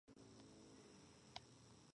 Credits adapted from the vinyl record sleeve.